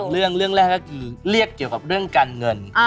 เรื่องแรกก็คือเรียกเกี่ยวกับเรื่องการเงิน